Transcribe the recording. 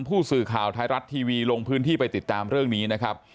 ผู้สื่อข่าวไทยรัฐทีวีลงพื้นที่ไปติดตามเรื่องนี้นะครับ